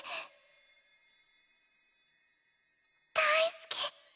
大好き。